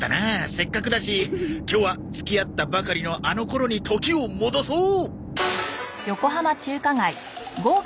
せっかくだし今日は付き合ったばかりのあの頃に時を戻そう！